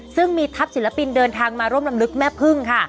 ซึ่งมีทัพศิลปินเดินทางมาร่วมลำลึกแม่พึ่งค่ะ